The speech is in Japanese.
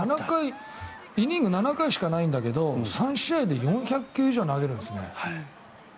イニング７回しかないんだけど３試合で４００球以上投げるんですね。